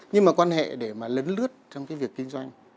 nhưng mà quan hệ để mà lấn lướt trong cái việc kinh doanh